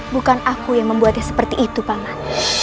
bukan aku yang membuatnya seperti itu pangan